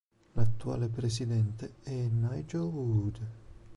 L'attuale presidente è Nigel Wood.